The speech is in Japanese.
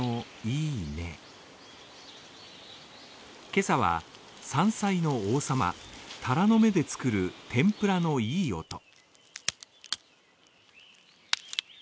今朝は山菜の王様、タラの芽で作る天ぷらのいい音。